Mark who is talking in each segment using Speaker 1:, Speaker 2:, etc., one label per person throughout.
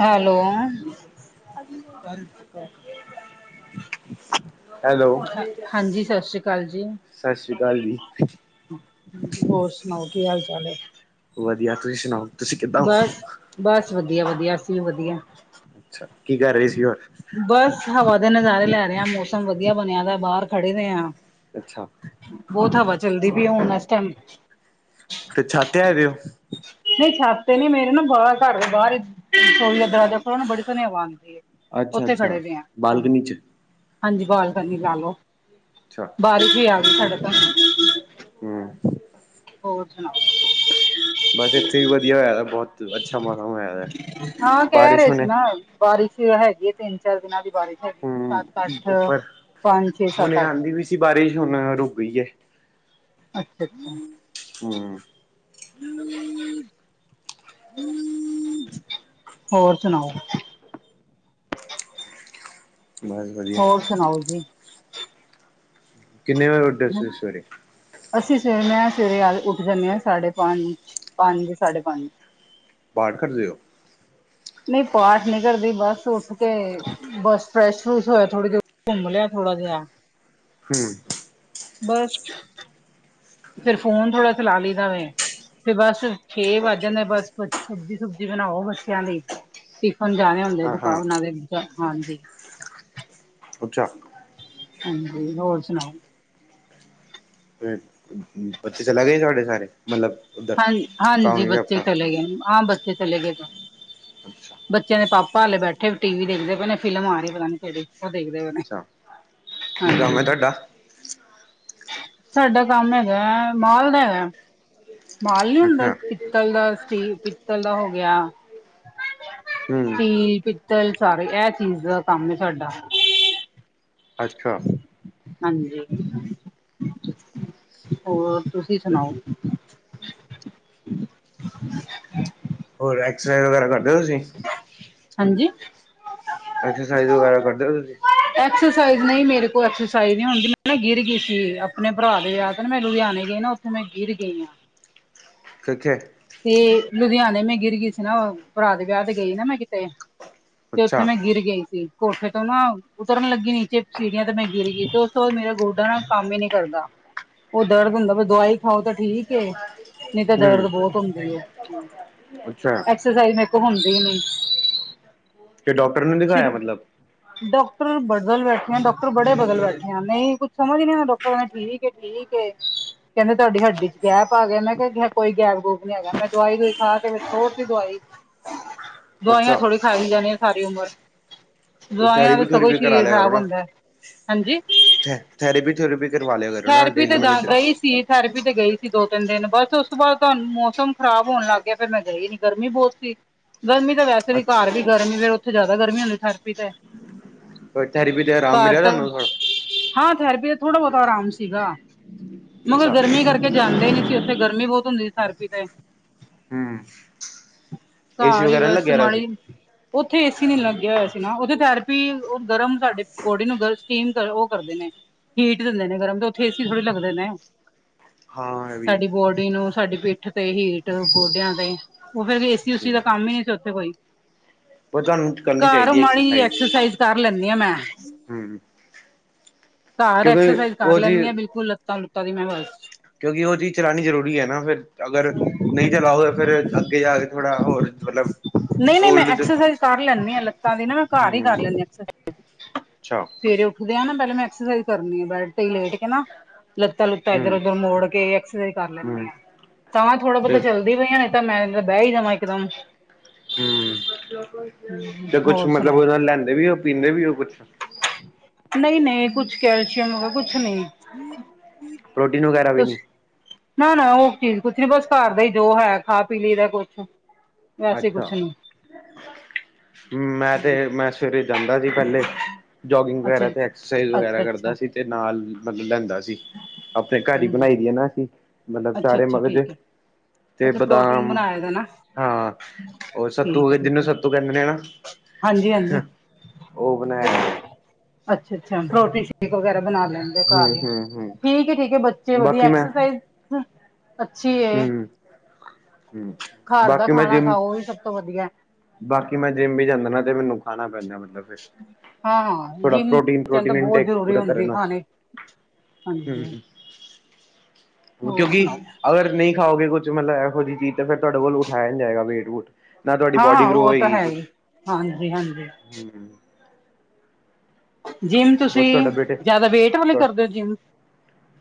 Speaker 1: Hello,
Speaker 2: ਘਰ ਖੁਲਾ। Hello,
Speaker 1: ਹਾਂਜੀ ਸਤਿ ਸ੍ਰੀ ਅਕਾਲ ਜੀ
Speaker 2: ਸਤਿ ਸ੍ਰੀ ਅਕਾਲ ਜੀ।
Speaker 1: ਹੋਰ ਸੁਣਾਓ ਕੀ ਹਾਲ- ਚਾਲ ਹੈ?
Speaker 2: ਵਧੀਆ। ਤੁਸੀਂ ਸੁਣਾਓ, ਤੁਸੀਂ ਕਿੱਦਾਂ ਹੋ?
Speaker 1: ਬਸ ਬਸ ਵਧੀਆ- ਵਧੀਆ, ਅਸੀਂ ਵੀ ਵਧੀਆ।
Speaker 2: ਅੱਛਾ, ਕੀ ਕਰ ਰਹੇ ਸੀ ਹੋਰ?
Speaker 1: ਬਸ ਹਵਾ ਦੇ ਨਜ਼ਾਰੇ ਲੈ ਰਹੇ ਆ, ਮੌਸਮ ਵਧੀਆ ਬਣਿਆ ਦਾ ਬਾਹਰ ਖੜੇ ਰਹੇ ਹਾ।
Speaker 2: ਅੱਛਾ
Speaker 1: ਬਹੁਤ ਹਵਾ ਚੱਲਦੀ ਪਈ ਹੁਣ ਇਸ ਟਾਈਮ।
Speaker 2: ਤੇ ਛੱਤੇ ਹੈਗੇ ਹੋ?
Speaker 1: ਨਹੀਂ ਛੱਤ ਤੇ ਨਹੀਂ, ਮੇਰੇ ਨਾ ਘਰ ਦੇ ਘਰ ਦੇ ਬਾਹਰ। ਰਸੋਈ ਦਾ ਦਰਵਾਜਾ ਖੋਲੋ, ਉਹ ਨੂੰ ਬੜੀ ਸੁਨੇ ਹਵਾ ਆਉਂਦੀ ਹੈ,
Speaker 2: ਅੱਛਾ
Speaker 1: ਉੱਥੇ ਖੜੇ
Speaker 2: ਅੱਛਾ
Speaker 1: ਵੀ ਆ ਹਾਂਜੀ।
Speaker 2: ਬਾਲਕਨੀ ਚ
Speaker 1: ਹਾਂਜੀ। ਬਾਲਕਨਿ ਲਾ ਲੋਓ, ਬਾਰਿਸ਼ ਵੀ ਆ ਗਈ ਸਾਡੇ ਤ।
Speaker 2: ਹੂ
Speaker 1: ਹੋਰ ਸੁਣਾਓ?
Speaker 2: ਬਸ ਇੱਥੇ ਹੀ ਵਧੀਆ ਹੋਇਆ ਬਹੁਤ ਅੱਛਾ ਮੌਸਮ ਹੋਇਆ।
Speaker 1: ਹਾਂ ਕਹਿ
Speaker 2: ਬਾਰਿਸ਼
Speaker 1: ਰਹੇ ਸੀ
Speaker 2: ਹੋਣੇ
Speaker 1: ਨਾ ਬਾਰਿਸ਼ ਹੈਗੀ ਹੈ ਤਿੰਨ- ਚਾਰ ਦਿਨਾਂ ਦੀ ਬਾਰਿਸ਼ ਹੈਗੀ, ਸੱਤ
Speaker 2: ਹਮ
Speaker 1: -ਅੱਠ, ਪੰਜ- ਛੇ- ਸੱਤ- ਅੱਠ।
Speaker 2: ਬਾਰੀਸ਼ ਹੁਣ ਰੁਕ ਗਈ ਹੈ।
Speaker 1: ਅੱਛਾ- ਅੱਛਾ।
Speaker 2: ਹੂ
Speaker 1: ਹੂ- ਹੂ ਹੋਰ ਸੁਣਾਓ?
Speaker 2: ਬਾੱਸ ਬ
Speaker 1: ਹੋਰ ਸੁਣਾਓ ਜੀ?
Speaker 2: ਕਿੰਨੇ ਵੱਜੇ ਉੱਡਿਆ ਤੁਸੀਂ ਸਵੇਰੇ?
Speaker 1: ਅਸੀਂ ਸਵੇਰੇ, ਮੈਂ ਸਵੇਰੇ ਉੱਠ ਜਾਂਦੇ ਹਾਂ ਸਾਢੇ ਪੰਜ -ਪੰਜ ਸਾਢੇ, ਪੰਜ।
Speaker 2: ਪਾਠ ਕਰਦੇ ਓ।
Speaker 1: ਨਹੀਂ ਪਾਠ ਨਹੀਂ ਕਰਦੀ ਬਸ, ਉੱਠ ਕੇ ਬੱਸ। ਫਰੈਸ਼- ਫਰਸ਼ ਹੋਇਆ ਥੋੜਾ ਜਿ ਘੁੰਮਿਆ ਥੋੜਾ ਜਿਹਾ।
Speaker 2: ਹੂ
Speaker 1: ਬਸ, ਫੇਰ ਫੋਨ ਥੋੜਾ ਚਲਾ ਲਈਦਾ ਏ, ਤੇ ਬਸ। ਛੇ ਵੱਜ
Speaker 2: ਅੱਛਾ
Speaker 1: ਜਾਂਦੇ ਬਸ, ਸਬਜ਼ੀ ਸੁਬਜੀ ਬਣਾਓ ਬੱਚਿਆਂ ਦੀ। ਟਿਫਨ ਜਾਣੇ ਹੁੰਦੇ
Speaker 2: ਹਾਂ ਹਾਂ
Speaker 1: ਦੁਕਾਨ ਦੇ। ਹਾਂਜੀ।
Speaker 2: ਅੱਛਾ।
Speaker 1: ਹਾਂਜੀ, ਹੋਰ ਸੁਣਾਓ?
Speaker 2: ਬੱਚੇ ਚਲਾ ਗਏ ਸੀ ਤੁਹਾਡੇ ਸਾਰੇ, ਮਤਲਬ। ਉਧਰ
Speaker 1: ਹਾਂ, ਹਾਂਜੀ
Speaker 2: ਕੰਮ
Speaker 1: ਬੱਚੇ
Speaker 2: ਆਪਣਾ
Speaker 1: ਚਲੇ ਗਏ ਨੇ, ਹਾਂ, ਬੱਚੇ ਚਲੇ ਗਏ,
Speaker 2: ਅੱਛਾ
Speaker 1: ਬੱਚਿਆਂ ਦੇ ਪਾਪਾ ਭਾਲੇ ਬੈਠੇ ਟੀ ਵੀ ਦੇਖਦੇ ਪੈ ਫਿਲਮ ਆ ਰਹੀ, ਪਤਾ ਨੀ ਕਿਹੜੀ। ਦੇਖਦੇ ਪੇਣੇ।
Speaker 2: ਅੱਛਾ ਕੀ ਕੰਮ ਹੈ
Speaker 1: ਹਾਂਜੀ।
Speaker 2: ਤੁਹਾਡਾ
Speaker 1: ਸਾਡਾ ਕੰਮ ਹੈਗਾ ਹੈ, ਮਾਲ ਦਾ ਹੈਗਾ। ਮਾਲ ਨੀ ਹੁੰਦਾ
Speaker 2: ਅੱਛਾ
Speaker 1: ਪਿੱਤਲ ਦਾ, ਸ- ਪਿੱਤਲ ਦਾ ਹੋ ਗਿਆ।
Speaker 2: ਹਮ
Speaker 1: ਸਟੀਲ, ਪਿੱਤਲ ਸਾਰੇ ਇਹ ਚੀਜ਼ ਦਾ ਕੰਮ ਸਾਡਾ।
Speaker 2: ਅੱਛਾ।
Speaker 1: ਹਾਂਜੀ, ਹੋਰ ਤੁਸੀਂ ਸੁਣਾਓ
Speaker 2: ਹੋਰ ਐਕਸਰਸਾਈਜ਼ ਵਗੈਰਾ ਕਰਦੇ ਹੋ ਤੁਸੀਂ
Speaker 1: ਹਾਂਜੀ
Speaker 2: ਐਕਸਰਸਾਈਜ਼ ਵਗੈਰਾ ਕਰਦੇ ਹੋ ਤੁਸੀਂ
Speaker 1: ਐਕਸਰਸਾਈਜ਼ ਨਹੀਂ, ਮੇਰੇ ਕੋਲ ਐਕਸਰਸਾਈਜ਼ ਨਹੀਂ ਹੁੰਦੀ, ਮੈੰ ਗਿਰ ਗਈ ਸੀ, ਆਪਣੇ ਭਰਾ ਦੇ ਵਿਆਹ ਤੇ, ਮੈ ਲੁਧਿਆਣੇ ਗਈ ਸੀ ਨਾ ਮੈਂ ਗਿਰ ਗਈ
Speaker 2: ਕਿੱਥੇ
Speaker 1: ਤੇ ਲੁਧਿਆਣੇ ਮੈਂ ਗਿਰ ਗਈ ਸੀ ਨਾ, ਭਰਾ ਦੇ ਵਿਆਹ ਤੇ ਗਈ ਨਾ ਮੈਂ ਕਿਤੇ। ਤੇ ਉੱਥੇ
Speaker 2: ਅੱਛਾ
Speaker 1: ਮੈਂ ਗਿਰ ਗਈ ਸੀ, ਕੋਠੇ ਤੋਂ ਨਾ। ਉਤਰਨ ਲੱਗੀ ਨੀਚੇ, ਸੀੜੀਆਂ ਤੇ ਮੈਂ ਗਿਰ ਗਈ ਤੇ ਉਸ ਤੋਂ ਬਾਅਦ ਮੇਰਾ ਗੋਡਾ ਨਾ ਕੰਮ ਹੀ ਨਹੀਂ ਕਰਦਾ। ਉਹ ਦਰਦ ਹੁੰਦਾ ਬ, ਦਵਾਈ ਖਾਓ ਤਾਂ ਠੀਕ। ਨਹੀਂ ਤਾਂ
Speaker 2: ਹਮ
Speaker 1: ਦਰਦ ਬਹੁਤ ਹੁੰਦੀ ਹੈ,
Speaker 2: ਅੱਛਾ
Speaker 1: ਐਕਸਰਸਾਈਜ਼ ਮੇਰੇ ਤੋਂ ਹੁੰਦੀ ਨੀ।
Speaker 2: ਤੇ ਡਾਕਟਰ ਨੇ ਦਿਖਾਇਆ
Speaker 1: ਸ਼ੁਰੂ
Speaker 2: ਮਤਲਬ।
Speaker 1: ਡਾਕਟਰ ਬਦਲ ਬੈਠੇ ਆ, ਡਾਕਟਰ ਬੜੇ ਬਦਲ ਬੈਠੇ ਆ, ਨਹੀਂ ਕੁੱਝ ਸਮਝ ਨੀ ਆਇਆ ਡਾਕਟਰਾਂ ਨੇ ਕਿ। ਠੀਕ ਏ। ਕਹਿੰਦੇ ਤੁਹਾਡੀ ਹੱਡੀ ਚ ਗੈਪ ਆ ਗਿਆ, ਮੈਂ ਕਿਹਾ ਕੋਈ ਗੈਪ ਗੂਪ ਨੀ ਹੈਗਾ, ਮੈਂ ਦਵਾਈ ਦਵਾਈ ਖਾ ਕੇ ਛੋੜ ਤੀ ਦਵਾਈ।
Speaker 2: [inaudible]
Speaker 1: ਦਵਾਈਆਂ ਥੋੜੀ ਖਾਈ ਜਾਣੀਆਂ ਸਾਰੀ ਉਮਰ। ਦਵਾਈਆਂ ਦਾ
Speaker 2: ਥੈਰੇਪੀ
Speaker 1: ਸਗੋਂ
Speaker 2: ਥੂਰੇਪੀ
Speaker 1: ਸਰੀਰ ਖ਼ਰਾਬ ਹੁੰਦਾ ਹੈ, ਹਾਂਜੀ।
Speaker 2: ਥ ਥੈਰੇਪੀ, ਥਰੇਪੀ ਕਰਵਾ ਲਿਆ ਕਰੋ ਨਾ ਡੇਲੀ ਮਤਲਬ।
Speaker 1: ਥੈਰਪੀ ਤੇ ਗਈ ਸੀ ਦੋ -ਤਿੰਨ ਦਿਨ, ਬਸ ਉਸ ਤੋਂ ਬਾਅਦ ਤੁਹਾਨੂੰ ਮੌਸਮ ਖਰਾਬ ਹੋਣ ਲੱਗ ਗਿਆ ਫਿਰ ਮੈਂ ਗਈ ਨੀ ਗਰਮੀ ਬਹੁਤ ਸੀ। ਗਰਮੀ ਤਾਂ ਵੈਸੇ ਵੀ ਘਰ ਵੀ
Speaker 2: ਅੱਛਾ
Speaker 1: ਗਰਮੀ, ਫਿਰ ਉੱਥੇ ਜ਼ਿਆਦਾ ਗਰਮੀ ਹੁੰਦੀ ਥੈਰੇਪੀ ਤੇ।
Speaker 2: ਥੈਰੇਪੀ ਤੇ ਆਰਾਮ
Speaker 1: ਘਰ
Speaker 2: ਮਿਲਿਆ
Speaker 1: ਤਾਂ,
Speaker 2: ਤੁਹਾਨੂੰ ਥੋੜਾ?
Speaker 1: ਹਾਂ ਥੈਰੇਪੀ ਦਾ ਥੋੜ੍ਹਾ ਬਹੁਤਾ ਆਰਾਮ ਸੀਗਾ। ਮਗਰ
Speaker 2: ਅੱਛਾ
Speaker 1: ਗਰਮੀ ਕਰਕੇ ਜਾਂਦੇ ਨਹੀਂ ਸੀ, ਉੱਥੇ ਗਰਮੀ ਬਹੁਤ ਹੁੰਦੀ ਸੀ ਥੈਰੇਪੀ ਤੇ।
Speaker 2: ਹਮ। ਏਸੀ
Speaker 1: ਘਰ ਹੀ
Speaker 2: ਵਗੈਰਾ ਨਹੀਂ
Speaker 1: ਬੱਸ
Speaker 2: ਲੱਗਿਆ ਰਿਹਾ ਸੀ
Speaker 1: ਮਾੜੀ, ਉੱਥੇ। ਏਸੀ ਨਹੀਂ ਲੱਗਿਆ ਹੋਇਆ ਸੀ ਨਾ, ਉਹਦੀ ਥੈਰੇਪੀ ਉਹ ਗਰਮ ਸਾਡੇ ਬੋਡੀ ਨੂੰ ਸਟੀਮ ਉਹ ਕਰਦੇ ਨੇ। ਹੀਟ ਦਿੰਦੇ ਨੇ ਗਰਮ, ਤੇ ਉੱਥੇ ਏਸੀ ਥੋੜ੍ਹੇ ਲਗਦੇ ਨੇ।
Speaker 2: ਹਾਂ। ਵੀ ਹੈ
Speaker 1: ਸਾਡੀ ਬੋਡੀ ਨੂੰ, ਸਾਡੀ ਪਿੱਠ ਤੇ ਹੀਟ ਗੋਡਿਆਂ ਤੇ। ਉਹ ਫਿਰ ਏਸੀ ਉਸੀ ਦਾ ਕੰਮ ਹੀ ਨਹੀਂ ਸੀ ਉੱਥੇ ਕੋਈ।
Speaker 2: ਉਹ ਤੁਹਾਨੂੰ। ਕਰਨੀ
Speaker 1: ਘਰ
Speaker 2: ਚਾਹੀਦੀ ਹੈ
Speaker 1: ਮਾੜੀ ਜਹੀ ਐਕਸਰਸਾਈਜ਼ ਕਰ ਲੈਂਦੀ ਆਂ ਮੈਂ।
Speaker 2: ਹਮ।
Speaker 1: ਘਰ
Speaker 2: ਕਿਉਂਕਿ
Speaker 1: ਐਕਸਰਸਾਈਜ਼ ਕਰ
Speaker 2: ਉਹ
Speaker 1: ਲੈਂਦੀ
Speaker 2: ਜੀ
Speaker 1: ਹਾਂ ਬਿਲਕੁਲ ਲੱਤਾਂ ਲੁਤਾਂ ਦੀ ਮੈਂ ਬਸ।
Speaker 2: ਕਿਉਂਕਿ ਉਹ ਚੀਜ਼ ਚਲਾਉਣੀ ਜ਼ਰੂਰੀ ਹੈ ਨਾ, ਫਿਰ ਅਗਰ। ਨਹੀਂ ਚਲਾਓ, ਫਿਰ ਅੱਗੇ ਜਾ ਕੇ ਥੋੜਾ ਹੋਰ ਮਤਲਬ।
Speaker 1: ਨਹੀਂ- ਨਹੀਂ ਮੈਂ
Speaker 2: ਓਲਡ
Speaker 1: ਐਕਸਰਸਾਈਜ਼ ਕਰ ਲੈਂਦੀ ਹਾਂ ਲੱਤਾਂ ਦੀ ਨਾ, ਮੈਂ ਘਰ ਹੀ ਕਰ
Speaker 2: ਹਮ
Speaker 1: ਲੈਂਦੀ।।
Speaker 2: ਅੱਛਾ
Speaker 1: ਸਵੇਰੇ ਉੱਠਦੇ ਆ ਨਾ, ਪਹਿਲਾਂ ਮੈਂ ਐਕਸਰਸਾਈਜ਼ ਕਰਨੀ ਆ ਬੈਡ‌। ਉੱਥੇ ਹੀ ਲੇਟ ਕੇ ਨਾ, ਲੱਤਾ ਲੁੱਤਾ ਇੱਧਰ
Speaker 2: ਹਮ
Speaker 1: ਉੱਧਰ ਮੋੜ ਕੇ ਐਕਸਰਸਾਈਜ਼ ਕਰ ਲੈਂਦੀ
Speaker 2: ਹਮ
Speaker 1: ਹਾਂ। ਤਾਂ ਥੋੜ੍ਹਾ
Speaker 2: ਤੇ
Speaker 1: ਬਹੁਤਾ ਚੱਲਦੀ ਪਈਆਂ, ਨੇ ਤਾਂ ਮੈਂ ਬਹਿ ਹੀ ਜਾਵਾਂ ਇੱਕਦਮ।
Speaker 2: ਹਮ, ਤੇ ਕੁਛ
Speaker 1: ਹੋਰ
Speaker 2: ਮਤਲਬ
Speaker 1: ਸੁਣਾਓ
Speaker 2: ਉਹਦਾ ਨਾਲ ਲੈਂਦੇ ਵੀ ਹੋ, ਪੀਂਦੇ ਵੀ ਹੋ ਕੁਛ
Speaker 1: ਨਹੀਂ -ਨਹੀਂ, ਕੁੱਛ ਕਹਿ ਕਿਹਾ ਹੋਵੇ, ਕੁੱਛ ਨੀ
Speaker 2: ਪ੍ਰੋਟੀਨ ਵਗੈਰਾ ਵੀ ਨਹੀਂ
Speaker 1: ਨਾ- ਨਾ, ਉਹ ਚੀਜ਼ ਕੁਛ ਨੀ ਬਸ ਘਰ ਦਾ ਹੀ ਜੋ ਹੈ ਖਾ ਪੀ ਲਈ ਦਾ ਕੁਛ ਵੈਸੇ ਕੁਛ
Speaker 2: ਅੱਛਾ
Speaker 1: ਨਹੀ
Speaker 2: ਮੈਂ ਤੇ, ਮੈਂ ਸਵੇਰੇ ਜਾਂਦਾ ਸੀ ਪਹਿਲੇ ਜੋਗਿੰਗ
Speaker 1: ਅੱਛਾ
Speaker 2: ਵਗੈਰਾ ਤੇ ਐਕਸਰਸਾਈਜ਼ ਵਗੈਰਾ
Speaker 1: ਅੱਛਾ ਅੱਛਾ
Speaker 2: ਕਰਦਾ ਸੀ, ਤੇ ਨਾਲ ਮਤਲਬ ਲੈਂਦਾ ਸੀ। ਆਪਣੇ ਘਰ ਹੀ
Speaker 1: ਹਮ
Speaker 2: ਬਣਾਈ ਦੀ ਹੈ ਨਾ, ਅਸੀਂ। ਮਤਲਬ
Speaker 1: ਅੱਛਾ
Speaker 2: ਚਾਰੇ
Speaker 1: ਅੱਛਾ
Speaker 2: ਮਗਜ਼,
Speaker 1: ਠੀਕ ਹੈ
Speaker 2: ਤੇ
Speaker 1: ਅੱਛਾ ਪ੍ਰੋਟੀਨ
Speaker 2: ਬਦਾਮ
Speaker 1: ਬਣਾਏ ਦਾ ਨਾ
Speaker 2: ਹਾਂ। ਹੋਰ ਸੱਤੂ
Speaker 1: ਠੀਕ ਹੈ
Speaker 2: ਅਗੇ
Speaker 1: ਠੀਕ
Speaker 2: ਜਿਹਨੂੰ
Speaker 1: ਹੈ
Speaker 2: ਸੱਤੂ ਕਹਿੰਦੇ ਏ ਨਾਂ।
Speaker 1: ਹਾਂਜੀ ਹਾਂਜੀ
Speaker 2: [unintelligible] ਉਹ ਬਣਾਇਆ ਦਾ।
Speaker 1: ਅੱਛਾ ਅੱਛਾ, ਪ੍ਰੋਟੀ ਸ਼ੇਕ ਵਗੈਰਾ ਬਣਾ ਲੈਂਦੇ
Speaker 2: ਹੂੰ
Speaker 1: ਘਰ ਈ।
Speaker 2: ਹੂੰ ਹੂੰ
Speaker 1: ਠੀਕ ਏ, ਠੀਕ ਏ ਬਚ ਜੇ ਵਧੀਆ
Speaker 2: ਬਾਕੀ ਮੈਂ
Speaker 1: ਐਕਸਰਸਾਈਜ਼। [unintelligible] ਅੱਛੀ ਐ,
Speaker 2: ਹੂੰ ਹੂੰ
Speaker 1: ਘਰ ਦਾ
Speaker 2: ਬਾਕੀ ਮੈਂ
Speaker 1: ਖਾਣਾ
Speaker 2: ਜਿੰਮ
Speaker 1: ਖਾਓ। ਉਵੀ ਸਭ ਤੋਂ ਵਧੀਆ।
Speaker 2: ਬਾਕੀ ਮੈਂ ਜਿੰਮ ਵੀ ਜਾਂਦਾ ਨਾਂ ਤੇ ਮੈਨੂੰ ਖਾਣਾ ਪੈਂਦਾ ਮਤਲਬ ਫਿਰ।
Speaker 1: ਹਾਂ ਹਾਂ।
Speaker 2: ਥੋੜਾ
Speaker 1: ਜਿੰਮ
Speaker 2: ਪ੍ਰੋਟੀਨ
Speaker 1: ਬੱਚਿਆਂ ਨੂੰ ਤੇ
Speaker 2: ਪ੍ਰੋਟੀਨ
Speaker 1: ਬਹੁਤ
Speaker 2: ਇਨਟੇਕ
Speaker 1: ਜ਼ਰੂਰੀ
Speaker 2: ਪੂਰਾ
Speaker 1: ਹੁੰਦੀ
Speaker 2: ਕਰਨ ਵਾਸਤੇ
Speaker 1: ਖਾਣੇ। ਹਾਂ।
Speaker 2: [unintelligible] ਕਿਉਂਕਿ ਅਗਰ ਨਈਂ ਖਾਓਗੇ ਕੁੱਛ ਮਤਲਬ ਇਹੋ ਜਿਹੀ ਚੀਜ਼ ਤਾਂ ਫਿਰ ਤੁਹਾਡੇ ਕੋਲ ਉਠਾਇਆ ਨੀਂ ਜਾਏਗਾ ਵੇਟ ਵੂਟ। ਨਾਂ
Speaker 1: ਹਾਂ ਹਾਂ, ਉਹ ਤਾਂ ਹੈ ਹੀ ਹਾਂਜੀ, ਹਾਂਜੀ।
Speaker 2: ਹਂ, ਹਂ।
Speaker 1: ਜਿੰਮ
Speaker 2: ਹੋਰ
Speaker 1: ਤੁਸੀਂ
Speaker 2: ਤੁਹਾਡਾ ਬੇਟੇ
Speaker 1: ਜਿਆਦਾ ਵੇਟ ਵਾਲੇ ਕਰਦੇ ਹੋ ਜਿੰਮ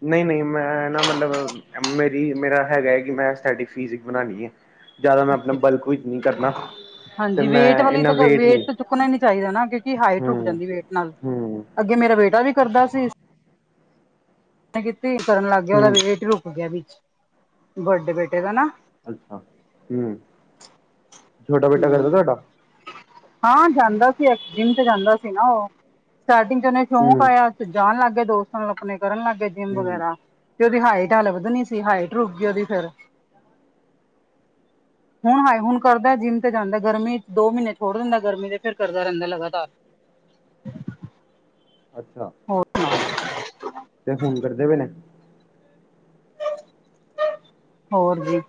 Speaker 2: ਨਈਂ ਨਈਂ ਮੈਂ ਨਾਂ ਮਤਲਬ ਮੇਰੀ ਮੇਰਾ ਹੈਗਾ ਐ ਕਿ ਮੈਂ ਸਟੈਟਿਕ ਫਿਜ਼ਿਕ ਬਣਾਣੀ ਐ। ਜ਼ਿਆਦਾ ਮੈਂ ਆਪਣਾ
Speaker 1: ਅੱਛਾ ਅੱਛਾ
Speaker 2: ਬਲਕ ਵਿੱਚ ਨਈਂ ਕਰਨਾ। ਤੇ
Speaker 1: ਹਾਂਜੀ ਵੇਟ
Speaker 2: ਮੈਂ
Speaker 1: ਵਾਲੀ
Speaker 2: ਇੰਨਾ
Speaker 1: ਤਾਂ
Speaker 2: ਨਹੀਂ
Speaker 1: ਵੇਟ ਚੁੱਕਣਾ ਈ ਨੀਂ ਚਾਈਦਾ ਨਾਂ ਕਿਉਂਕਿ ਹਾਈਟ ਰੁਕ
Speaker 2: ਹੂੰ,
Speaker 1: ਜਾਂਦੀ ਵੇਟ ਨਾਲ,
Speaker 2: ਹੂੰ,
Speaker 1: ਅੱਗੇ ਮੇਰਾ ਬੇਟਾ ਵੀ ਕਰਦਾ ਸੀ। ਕੀਤੀ ਕਰਨ ਲੱਗ ਗਿਆ ਉਹਦਾ
Speaker 2: ਹੂੰ।
Speaker 1: ਵੇਟ ਰੁਕ ਗਿਆ ਵਿੱਚ ਵੱਡੇ ਬੇਟੇ ਦਾ ਨਾਂ।
Speaker 2: ਅੱਛਾ, ਹਂ।
Speaker 1: ਹਂ, ਹਾਂ ਜਾਂਦਾ ਸੀ ਜਿੰਮ ਤੇ ਜਾਂਦਾ ਸੀ ਨਾ ਉਹ। ਸਟਾਰਟਿੰਗ ਚ ਉਹਨੂੰ ਇਹ ਸ਼ੌਂਕ
Speaker 2: ਹੂੰ,
Speaker 1: ਆਇਆ ਜਾਣ ਲੱਗ ਗਏ ਦੋਸਤਾਂ ਨਾਲ ਆਪਣੇ ਕਰਨ ਲੱਗ ਗਏ ਜਿੰਮ
Speaker 2: ਹੂੰ।
Speaker 1: ਵਗੈਰਾ। ਤੇ ਉਹਦੀ ਹਾਈਟ ਹਲੇ ਵਧਣੀ ਸੀ। ਹਾਈਟ ਰੁਕ ਗਈ ਉਹਦੀ ਫਿਰ ਹੁਣ ਹਾਏ ਹੁਣ ਕਰਦਾ ਜਿੰਮ ਜਾਂਦਾ ਗਰਮੀ ਦੋ ਮਹੀਨੇ ਛੋੜ੍ਹ ਦਿੰਦਾ ਗਰਮੀ ਦੇ, ਫਿਰ ਕਰਦਾ ਰਹਿੰਦਾ ਲਗਾਤਾਰ।
Speaker 2: ਅੱਛਾ।
Speaker 1: ਹੋਰ ਸੁਣਾਓ [unintelligible]
Speaker 2: ਤੇ ਹੁਣ ਕਰਦੇ ਪਏ ਨੇਂ।
Speaker 1: ਹੋਰ ਜੀ,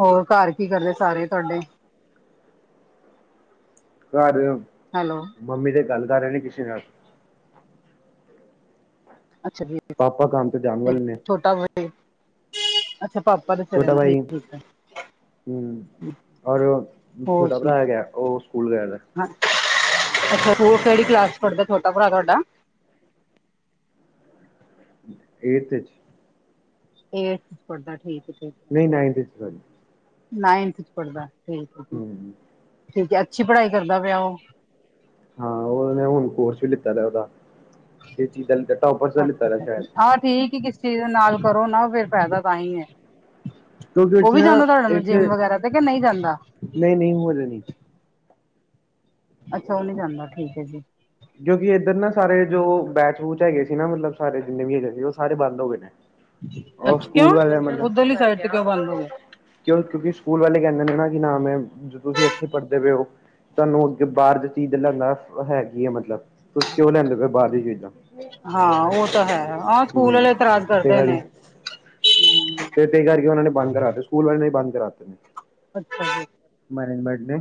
Speaker 1: ਹੋਰ ਘਰ ਕੀ ਕਰਦੇ ਸਾਰੇ ਤੁਹਾਡੇ।
Speaker 2: ਘਰ
Speaker 1: ਹੈਲੋ
Speaker 2: ਮੰਮੀ ਤੇ ਗੱਲ ਕਰ ਰਹੇ ਨੇਂ ਕਿਸੇ ਨਾਲ।
Speaker 1: ਅੱਛਾ
Speaker 2: ਪਾਪਾ ਕੰਮ ਤੇ ਜਾਣ ਵਾਲੇ ਨੇ,
Speaker 1: [unintelligible] ਛੋਟਾ [inaudible] [unintelligible] ਅੱਛਾ ਪਾਪਾ ਦੇ [unintelligible] ਠੀਕ ਐ।
Speaker 2: ਹਂ, ਔਰ
Speaker 1: ਹੋਰ
Speaker 2: ਛੋਟਾ
Speaker 1: ਜੀ
Speaker 2: ਭਰਾ ਹੈਗਾ ਉਹ ਸਕੂਲ ਗਿਆਦਾ।
Speaker 1: [unintelligible] ਅੱਛਾ ਉਹ ਕਿਹੜੀ ਕਲਾਸ ਚ ਪੜ੍ਹਦਾ ਛੋਟਾ ਭਰਾ ਤੁਹਾਡਾ।
Speaker 2: ਏਟਥ ਇਚ
Speaker 1: ਏਟਥ ਚ ਪੜ੍ਹਦਾ ਠੀਕ ਫੇਰ
Speaker 2: ਨਈਂ, ਮੈਂ ਈ ਦੱਸਿਆ ਉਹਨੂੰ।
Speaker 1: ਨਾਈਨਥ ਚ ਪੜ੍ਹਦਾ ਠੀਕ ਠੀਕ।
Speaker 2: ਹੂੰ।
Speaker 1: ਠੀਕ ਏ ਅੱਛੀ ਪੜ੍ਹਾਈ ਕਰਦਾ ਪਿਆ ਉਹ?
Speaker 2: ਹਾਂ ਉਹਨੇ ਹੁਣ ਕੋਰਸ ਵੀ ਲਿੱਤਾ ਉਹਦਾ, ਕਿਸ ਚੀਜ਼ ਦਾ
Speaker 1: ਅੱਛਾ ਅੱਛਾ
Speaker 2: ਲ [inaudible]
Speaker 1: ਹਾਂ ਠੀਕ ਆ ਕਿਸ ਚੀਜ਼ ਨਾਲ ਕਰੋ ਨਾਂ ਫੇਰ ਫਾਇਦਾ ਤਾਂ ਈ ਏ।
Speaker 2: ਕਿਉਂਕਿ
Speaker 1: ਉਹ
Speaker 2: ਉੱਥੇ
Speaker 1: ਵੀ
Speaker 2: ਨਾ
Speaker 1: ਜਾਂਦਾ ਤੁਹਾਡੇ ਨਾਲ ਜਿੰਮ ਵਗੈਰਾ ਤੇ ਕਿ ਨਈਂ ਜਾਂਦਾ।
Speaker 2: ਨਈਂ ਨਈਂ, ਹੋ ਜੇਗੀ।
Speaker 1: ਅੱਛਾ ਉਹ ਨੀਂ ਜਾਂਦਾ, ਠੀਕ ਐ ਜੀ।
Speaker 2: ਕਿਉਂਕਿ ਇੱਧਰ ਨਾਂ ਸਾਰੇ ਜੋ ਬੈਚ-ਵੂਚ ਹੈਗੇ ਸੀ ਨਾਂ ਮਤਲਬ ਸਾਰੇ ਜਿੰਦੇ ਵੀ ਹੈਗੇ ਸੀ ਉਹ ਸਾਰੇ ਬੰਦ ਹੋ ਗਏ। ਉਹ
Speaker 1: ਅੱਛਾ ਕਿਉਂ
Speaker 2: ਸਕੂਲ ਵਾਲਿਆਂ ਮਤਲਬ
Speaker 1: ਉੱਧਰਲੀ ਸਾਈਡ ਤੇ ਕਿਉਂ ਬੰਦ ਹੋ ਗਿਆ
Speaker 2: [unintelligible] ਕਿਉ? ਕਿਉਂਕਿ ਸਕੂਲ ਵਾਲੇ ਕਹਿੰਦੇਦੇ ਨਾਂ ਕਿ ਨਾਂ ਮੈਂ ਤੁਸੀਂ ਇੱਥੇ ਪੜ੍ਹਦੇ ਪਏ ਪੇਓ। ਤੁਹਾਨੂੰ ਅੱਗੇ ਬਾਹਰ ਦੀ ਚੀਜ਼ ਦੇ ਨਾਲ ਹੈ ਕਿ ਐ ਮਤਲਬ! ਤੁਸੀਂ ਕਿਉਂ ਲੈਂਦੇ ਪੇ ਔ ਬਾਹਰ ਦੀਆਂ ਚੀਜ਼ਾਂ।
Speaker 1: ਹਾਂ ਉਹ ਤਾਂ ਹੈ, ਆਹ ਸਕੂਲ
Speaker 2: ਹੂੰ
Speaker 1: ਵਾਲੇ ਇਤਰਾਜ਼
Speaker 2: ਤੇ
Speaker 1: ਕਰਦੇ
Speaker 2: ਕਰਕੇ
Speaker 1: ਨੇਂ।
Speaker 2: ਤੇ ਇਸੇ ਕਰਕੇ ਉਹਨਾਂ ਨੇ ਬੰਦ ਕਰਾਤੇ, ਸਕੂਲ ਵਾਲੇ ਨੇ ਬੰਦ ਕਰਾਤੇ ਨੇ
Speaker 1: ਅੱਛਾ ਜੀ,
Speaker 2: ਮੈਨੇਜਮੈਂਟ ਨੇ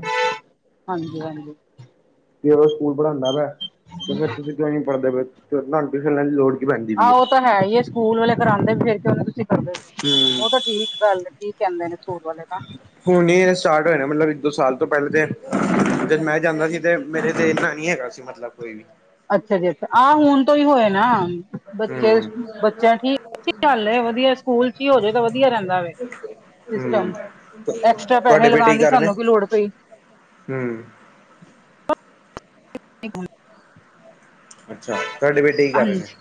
Speaker 1: ਹਾਂਜੀ- ਹਾਂਜੀ
Speaker 2: ਜਦੋਂ ਸਕੂਲ ਪੜਾਉਂਦਾ ਪਿਆ, ਤੇ ਫੇਰ ਤੁਸੀਂ ਕਿਉਂ ਨਹੀਂ ਪੜ੍ਹਦੇ ਪਏ, ਤੁਹਾਨੂੰ ਟਿਊਸ਼ਨ ਲੈਣ ਦੀ ਲੋੜ ਕੀ ਪੈਂਦੀ
Speaker 1: ਹਾਂ
Speaker 2: ਪਈ
Speaker 1: ਉਹ ਤਾਂ ਹੈ ਹੀਏ, ਸਕੂਲ ਵਾਲੇ ਕਰਾਉਂਦੇ ਫਿਰ ਕਿਉਂ ਨਹੀਂ ਤੁਸੀ ਕਰਦੇ, ਉਹ
Speaker 2: ਹਮ
Speaker 1: ਤਾਂ ਠੀਕ ਗੱਲ ਕੀ ਕਹਿੰਦੇ ਨੇ, ਸਕੂਲ ਵਾਲੇ ਤਾਂ
Speaker 2: ਹੁਣ ਹੀ ਇਹ ਸਟਾਰਟ ਹੋਏ ਨੇ ਮਤਲਬ ਇੱਕ ਦੋ ਸਾਲ ਤੋਂ ਪਹਿਲਾਂ ਤੇ, ਜਦ ਮੈਂ ਜਾਂਦਾ ਸੀ। ਤੇ ਮੇਰੇ ਤੇ ਇੰਨਾ ਨਹੀ ਹੈਗਾ ਸੀ, ਮਤਲਬ ਕੋਈ ਵੀ
Speaker 1: ਅੱਛਾ ਜੀ ਅੱਛਾ, ਆਹ ਹੁਣ ਤੋਂ ਹੀ ਹੋਏ ਨਾ, ਬੱਚੇ
Speaker 2: ਹਮ
Speaker 1: ਬੱਚਿਆਂ ਠੀਕ ਗੱਲ ਹੈ ਵਧੀਆ ਸਕੂਲ 'ਚ ਹੀ ਹੋ ਜਾਏ, ਤਾਂ ਵਧੀਆ ਰਹਿੰਦਾ ਵ
Speaker 2: ਹਮ
Speaker 1: ਸਿਸਟਮ ਐਕਸਟਰਾ ਪੈਸੇ
Speaker 2: ਤੁਹਾਡੇ ਬੇਟੇ
Speaker 1: ਲਗਾਉਣ ਦੀ
Speaker 2: ਕਰ ਰਹੇ ਨੇ
Speaker 1: ਸਾਨੂੰ ਕੀ ਲੋੜ ਪਈ
Speaker 2: ਹਮ।
Speaker 1: [inaudible]
Speaker 2: ਅੱਛਾ, ਤੁਹਾਡੇ ਵਿਚ।
Speaker 1: ਹਾਂਜੀ,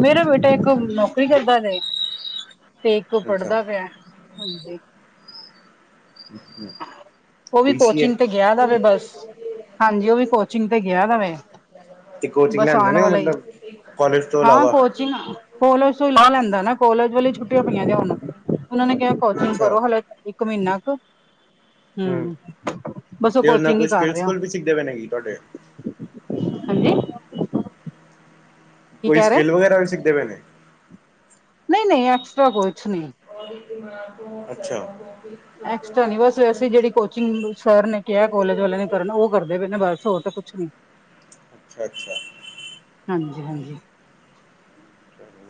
Speaker 1: ਮੇਰਾ ਬੇਟਾ ਇੱਕ ਨੌਕਰੀ ਕਰਦਾ ਨੇ। ਇਕ
Speaker 2: ਅੱਛਾ
Speaker 1: ਪੜਦਾ ਪਿਆ, ਹਾਂਜੀ।
Speaker 2: [inaudible]
Speaker 1: ਉਹ ਵੀ
Speaker 2: ਬੀ ਸੀ ਏ
Speaker 1: ਕੋਚਿੰਗ ਤੇ ਗਿਆ ਦਾ ਵੇ ਬਸ, ਹਾਂਜੀ ਉਹ ਵੀ ਕੋਚਿੰਗ ਤੇ ਗਿਆ ਦਾ ਵੇ।
Speaker 2: ਤੇ ਕੋਚਿੰਗ
Speaker 1: ਬਸ
Speaker 2: ਲੈਂਦੇ
Speaker 1: ਆਉਣ
Speaker 2: ਨੇ ਓ ਮਤਲਬ, ਕਾਲਜ ਤੋਂ ਇਲਾਵਾ।
Speaker 1: ਜੀ ਨਾ, ਕਾਲਜ ਤੋਂ ਲਾ ਲੈਂਦਾ ਨਾ, ਕਾਲਜ ਵਾਲੀਆ ਛੁੱਟੀਆਂ ਪਈਆਂ ਨੇ, ਹੁਣ ਉਹਨਾਂ ਨੇ। ਕੋਚਿੰਗ
Speaker 2: ਅੱਛਾ
Speaker 1: ਕਰੋ ਹਾਲ ਇੱਕ ਮਹੀਨਾ ਕੁ।
Speaker 2: ਹਮ,
Speaker 1: ਹੂੰ ਬਸ
Speaker 2: ਤੇ ਉਹ ਨਾਲ
Speaker 1: ਕੋਚਿੰਗ ਹੀ
Speaker 2: ਕੋਈ
Speaker 1: ਕਰ
Speaker 2: ਸਕਿੱਲ
Speaker 1: ਰਿਹਾ
Speaker 2: ਸਕੂਲ ਵੀ ਸਿੱਖਦੇ ਪਏ ਨੇ ਗੀ ਤੁਹਾਡੇ।
Speaker 1: ਹਾਂਜੀ। ਕੀ
Speaker 2: ਕੋਈ
Speaker 1: ਕਹਿ ਰਹੇ
Speaker 2: ਸਕਿੱਲ ਵਗੈਰਾ ਵੀ ਸਿੱਖਦੇ ਪਏ ਨੇ।
Speaker 1: ਨਹੀਂ- ਨਹੀਂ ਐਕਸਟਾ ਕੁਛ ਨਹੀਂ।
Speaker 2: ਅੱਛਾ।
Speaker 1: ਐਕਸਟ੍ਰਾ ਨੀ, ਬੱਸ ਐਸੀ ਜਿਹੜੀ ਕੋਚਿੰਗ ਸਰ ਨੇ ਕਿਹਾ, ਕਾਲਜ ਵਾਲੇ ਨੇ ਕਰਨ। ਕਰਦੇ ਪਏ ਨਾ ਬਸ, ਹੋਰ ਕੁਛ ਨੀ।
Speaker 2: ਅੱਛਾ, ਅੱਛਾ।
Speaker 1: ਹਾਂਜੀ, ਹਾਂਜੀ।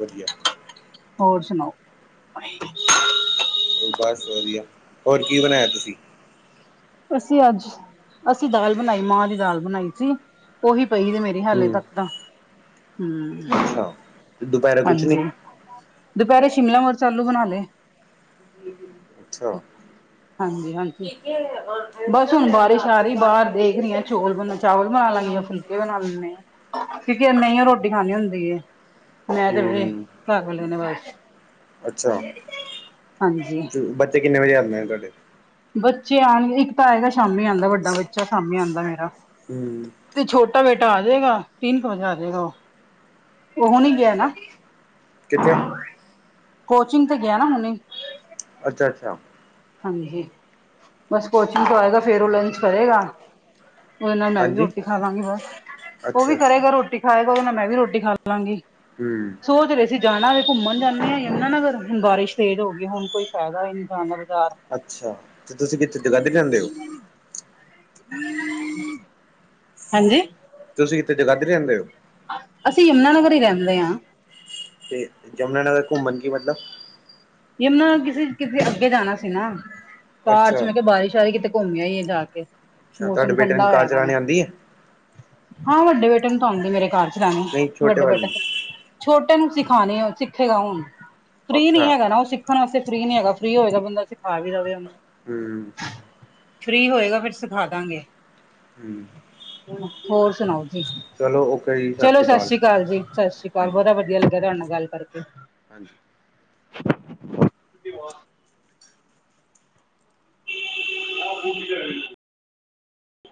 Speaker 2: ਵਧੀਆ।
Speaker 1: ਹੋਰ ਸੁਣਾਓ।
Speaker 2: ਉਹ ਬਸ ਵਧੀਆ, ਹੋਰ ਕੀ ਬਣਾਇਆ ਤੁਸੀਂ।
Speaker 1: ਅਸੀਂ ਅੱਜ, ਅਸੀਂ ਦਾਲ ਬਣਾਈ ਮਾਂ ਦੀ ਦਾਲ ਬਣਾਈ ਸੀ ਉਹੀ ਪਈ ਦੇ।
Speaker 2: ਹੂੰ
Speaker 1: ਹਾਲੇ ਤੱਕ ਤਾਂ, ਹਮ,
Speaker 2: ਅੱਛਾ ਦੁਪਹਿਰੇ ਕੁਛ ਨੀ
Speaker 1: ਹਾਂਜੀ। ਦੁਪਹਿਰੇ ਸ਼ਿਮਲਾ ਮਿਰਚ ਆਲੂ ਬਣਾ ਲੇ।
Speaker 2: ਅੱਛਾ।
Speaker 1: ਹਾਂਜੀ ਹਾਂਜੀ ਬਸ ਹੁਣ ਬਾਰਿਸ਼ ਆ ਰਹੀ ਬਾਹਰ ਦੇਖ ਰਹੀ ਹ ਚੋਲ ਬ ਚਾਵਲ ਬਣਾ ਲਵਾਂਗੀ ਜਾਂ ਫੁਲਕੇ ਬਣਾ ਲੈਂਦੇ ਹਾਂ। ਕਿਉਕਿ ਨਹੀਂ ਉਹ ਰੋਟੀ ਖਾਣੀ ਹੁੰਦੀ, ਮੈਂ ਤੇ ਫੇਰ
Speaker 2: ਹੂੰ
Speaker 1: ਘਰ ਵਾਲੇ ਬਸ।
Speaker 2: ਅੱਛਾ
Speaker 1: ਹਾਂਜੀ
Speaker 2: ਬੱਚੇ ਕਿੰਨੇ ਵਜੇ ਆਉਂਦੇ ਨੇ ਤੁਹਾਡੇ
Speaker 1: ਬੱਚੇ ਆਉਣਗੇ, ਇੱਕ ਤਾਂ ਆਏਗਾ ਸ਼ਾਮੀ ਆਂਉਦਾ ਵੱਡਾ ਬੱਚਾ ਸ਼ਾਮੀ ਆਉਂਦਾ ਮੇਰਾ
Speaker 2: ਹੂੰ
Speaker 1: ਤੇ ਛੋਟਾ ਬੇਟਾ ਆ ਜਾਏਗਾ, ਤਿੰਨ ਕੁ ਵਜੇ ਆ ਜਾਏਗਾ, ਉਹ ਹੁਣੀ ਗਿਆ
Speaker 2: ਅੱਛਾ,
Speaker 1: ਨਾ
Speaker 2: ਕਿੱਥੇ
Speaker 1: ਕੋਚਿੰਗ ਤੇ ਗਿਆ ਨਾ ਹੁਣੇ
Speaker 2: ਅੱਛਾ, ਅੱਛਾ
Speaker 1: ਹਾਂਜੀ, ਬਸ ਕੋਚਿੰਗ ਤੋਂ ਆਏਗਾ, ਫੇਰ ਉਹ ਲੰਚ ਕਰੇਗਾ। ਉਹਦੇ ਨਾਲ ਮੈਂ ਵੀ
Speaker 2: ਹਾਂਜੀ
Speaker 1: ਰੋਟੀ ਖਾ ਲਵਾਂਗੀ ਬਸ, ਉਹ
Speaker 2: ਅੱਛਾ
Speaker 1: ਵੀ
Speaker 2: ਅੱਛਾ
Speaker 1: ਕਰੇਗਾ ਰੋਟੀ ਖਾਏਗਾ, ਉਹਦੇ ਨਾਲ ਮੈਂ ਵੀ ਰੋਟੀ ਖਾ ਲਵਾਂਗੀ
Speaker 2: ਹਮ।
Speaker 1: ਸੋਚ ਰਹੇ ਸੀ ਜਾਣਾ ਅੱਜ ਘੁੰਮਣ ਜਾਣੇ ਯਮੁਨਾਨਗਰ, ਹੁਣ ਬਾਰਿਸ਼ ਤੇਜ ਹੋਗੀ, ਹੁਣ ਕੋਈ ਫਾਇਦਾ ਨੀ ਜਾਣ ਦਾ। [unintelligible]
Speaker 2: ਅੱਛਾ, ਤੇ ਤੁਸੀਂ ਕਿੱਥੇ ਜਗਾਧਰੀ ਰਹਿੰਦੇ ਓ?
Speaker 1: [unintelligible] ਹਾਂਜੀ?
Speaker 2: ਤੁਸੀ ਕਿੱਥੇ ਜਗਾਦਰੀ ਰਹਿੰਦੇ ਓ?
Speaker 1: ਅਸੀਂ ਯਮੁਨਾਾਨਗਰ ਹੀ ਰਹਿੰਦੇ ਹਾਂ।
Speaker 2: ਤੇ ਯਮੁਨਾਾਨਗਰ ਘੁੰਮਣ ਕੀ ਮਤਲਬ?
Speaker 1: ਯਮੁਨਾ ਕਿਸੇ ਕਿਤੇ ਅੱਗੇ ਜਾਣਾ ਸੀ ਨਾ, ਬਾਅਦ ਚ
Speaker 2: ਅੱਛਾ
Speaker 1: ਮੈਂ ਕਿਹਾ ਬਾਰਿਸ਼ ਆਏਗੀ ਤੇ ਘੁੰਮਿਆ ਹੀ ਆ ਜਾ ਕੇ,
Speaker 2: ਅੱਛਾ ਤੁਹਾਡੇ
Speaker 1: ਮੌਸਮ
Speaker 2: ਬੇਟੇ ਨੂੰ
Speaker 1: ਠੰਡਾ
Speaker 2: ਕਾਰ
Speaker 1: ਹੋਇਆ ਗਾ ਵੇ।
Speaker 2: ਚਲਾਉਣੀ ਆਉਂਦੀ ਹੈ
Speaker 1: ਹਾਂ ਵੱਡੇ ਬੇਟੇ ਨੂੰ ਤਾਂ ਆਉਂਦੀ ਮੇਰੇ ਕਾਰ ਚਲਾਣੀ,
Speaker 2: ਨਹੀਂ ਛੋਟੇ
Speaker 1: ਵੱਡੇ
Speaker 2: ਵਾਲੇ
Speaker 1: ਬੇਟੇ ਨੂੰ ਛੋਟੇ ਨੂੰ ਸਿਖਾਣੀ ਹੁਨ ਸਿੱਖੇਗਾ ਹੁਣ, ਫ੍ਰਰੀ ਨੀ
Speaker 2: ਅੱਛਾ
Speaker 1: ਹੈਗਾ ਨਾ ਉਹ। ਸਿੱਖਣ ਆਸਤੇ ਫਰੀ ਨੀ ਹੈਗਾ ਫ੍ਰਰੀ ਹੋਵੇਗਾ ਬੰਦਾ ਸਿਖਾ ਵੀ ਦੇਵੇ ਉਹਨੂੰ।
Speaker 2: ਹੂੰ
Speaker 1: ਫਰੀ ਹੋਏਗਾ ਫੇਰ ਸਿਖਾਦਾਂਗੇ।
Speaker 2: ਹੂੰ
Speaker 1: ਹੋਰ ਸੁਣਾਓ ਤੁਸੀਂ?
Speaker 2: ਚਲੋ ਓਕੇ ਜੀ ਸਤਿ
Speaker 1: ਚਲੋ
Speaker 2: ਸ਼੍ਰੀ ਅਕਾਲ
Speaker 1: ਸਸ਼ਰੀ ਈ ਕਾਲ ਜੀ ਸਸ਼ਰੀ ਕਾਲ
Speaker 2: ਹਾਂਜੀ
Speaker 1: ਬੜਾ ਵਧੀਆ ਲੱਗਿਆ ਤੁਹਾਡੇ ਨਾਲ ਗੱਲ ਕਰਕੇ।
Speaker 2: ਹਾਂਜੀ
Speaker 1: [unintelligible] [unintelligible]